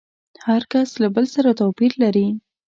هر کس له بل سره توپير لري.